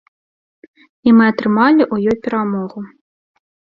І мы атрымалі ў ёй перамогу.